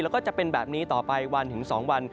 แล้วก็จะเป็นแบบนี้ต่อไปวันถึง๒วัน